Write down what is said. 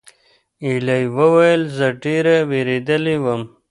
ایلي وویل: "زه ډېره وېرېدلې وم."